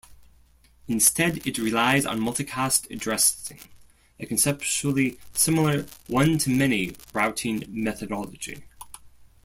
Instead it relies on multicast addressing - a conceptually similar "one-to-many" routing methodology.